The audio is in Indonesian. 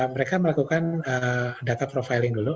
mereka melakukan data profiling dulu